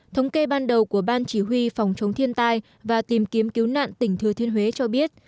thống kê ban đầu của ban chỉ huy phòng chống thiên tai và tìm kiếm cứu nạn tỉnh thừa thiên huế cho biết